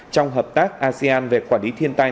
trong hợp tác asean về quản lý thiên tai